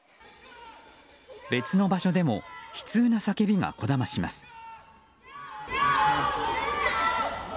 別の場所でも悲痛な叫びがこだまします。